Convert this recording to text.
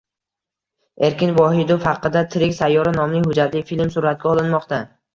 Erkin Vohidov haqida Tirik sayyora nomli hujjatli film suratga olinmoqda